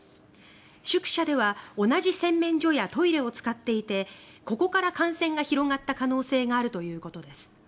宿舎では同じ洗面所やトイレを使っていてここから感染が広がった可能性があるということです。